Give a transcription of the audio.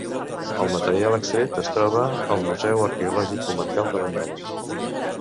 El material extret es troba al Museu Arqueològic Comarcal de Banyoles.